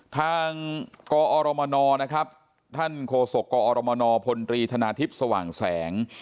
ทางกอรมนนะครับท่านโฆษกกอรมนพลตรีธนาทิพย์สว่างแสง